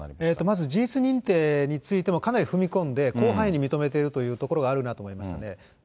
まず事実認定についてもかなり踏み込んで広範囲に認めているというところがあるなと思いましたね。